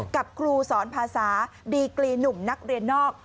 กับครูสอนภาษาดีกรีหนุ่มนักเรียนนอก